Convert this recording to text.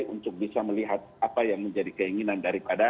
karena kami juga melakukan mengundang kemudian bicarakan dengan para cerdik pandemi